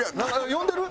呼んでるわ。